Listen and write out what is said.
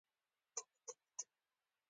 هلته د کور مخې ته د لیکونو ویشل نشته